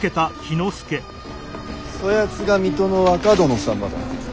そやつが水戸の若殿様だ。